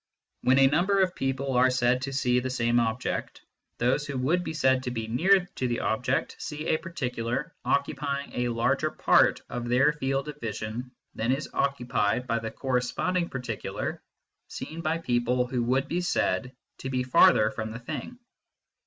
When a number of people are said to see the same object, those who would be said to be near to the object see a particular occupying a larger part of their field of vision than is occupied by the corresponding particular seen by people who would be said to be farther from the thing.